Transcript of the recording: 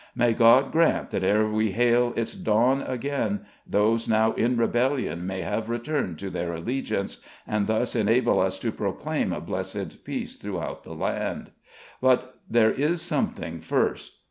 May God grant that ere we hail its dawn again, those now in rebellion may have returned to their allegiance, and thus enable us to proclaim a blessed peace throughout the land. But there is something first.